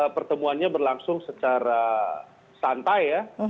pertemuannya berlangsung secara santai ya